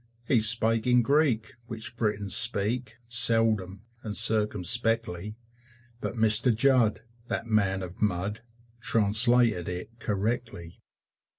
He spake in Greek, which Britons speak Seldom, and circumspectly; But Mr. Judd, that man of mud, Translated it correctly.